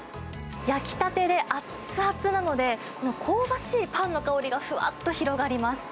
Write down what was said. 焼きたてで熱々なのでこの香ばしいパンの香りがふわっと広がります。